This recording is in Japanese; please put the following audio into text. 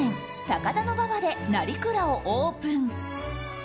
高田馬場で成蔵をオープン。